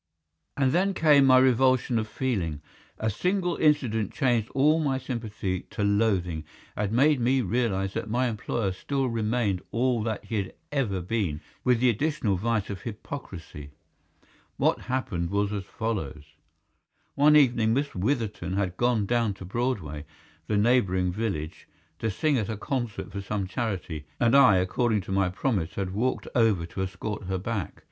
And then came my revulsion of feeling. A single incident changed all my sympathy to loathing, and made me realize that my employer still remained all that he had ever been, with the additional vice of hypocrisy. What happened was as follows. One evening Miss Witherton had gone down to Broadway, the neighbouring village, to sing at a concert for some charity, and I, according to my promise, had walked over to escort her back.